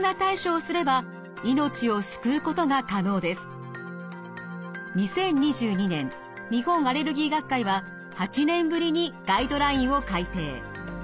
アナフィラキシーは２０２２年日本アレルギー学会は８年ぶりにガイドラインを改訂。